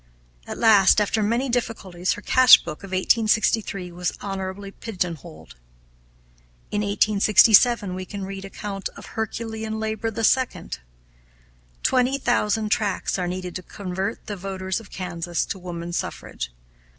At last, after many difficulties, her cash book of 1863 was honorably pigeon holed. In 1867 we can read account of herculean labor the second. Twenty thousand tracts are needed to convert the voters of Kansas to woman suffrage.